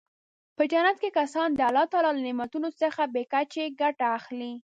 په جنت کې کسان د الله تعالی له نعمتونو څخه بې کچې ګټه اخلي.